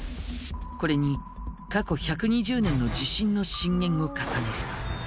これに過去１２０年の地震の震源を重ねると。